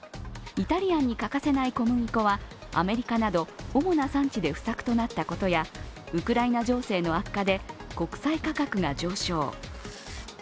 イタリアンに欠かせない小麦粉はアメリカなど主な産地で不作となったことやウクライナ情勢の悪化で国際価格が上昇。